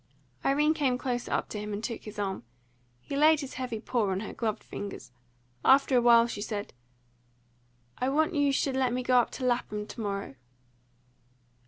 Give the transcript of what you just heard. Irene came closer up to him and took his arm. He laid his heavy paw on her gloved fingers. After a while she said, "I want you should let me go up to Lapham to morrow."